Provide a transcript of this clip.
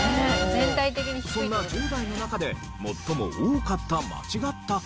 そんな１０代の中で最も多かった間違った答えが。